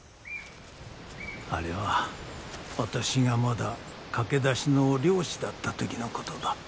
あれは私がまだ駆け出しの猟師だった時のことだ。